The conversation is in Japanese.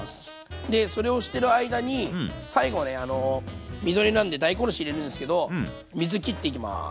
でそれをしてる間に最後はねみぞれなんで大根おろし入れるんですけど水きっていきます